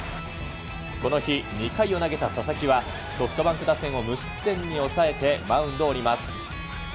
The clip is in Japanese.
この日、２回を投げた佐々木は、ソフトバンク打線を無失点に抑えてマウンドを降ります。